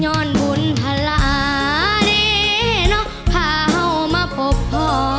ย้อนบุญภาระดีเนาะพาเหามาพบพ่อ